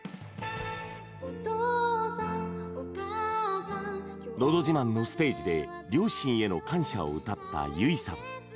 「お父さんお母さん」「のど自慢」のステージで両親への感謝を歌った結さん。